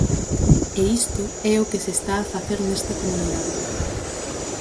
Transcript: E isto é o que se está a facer nesta comunidade.